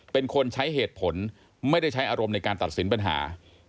เป็นคนใช้เหตุผลไม่ได้ใช้อารมณ์ในการตัดสินปัญหา